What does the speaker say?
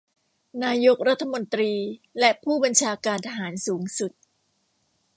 นายกรัฐมนตรีและผู้บัญชาการทหารสูงสุด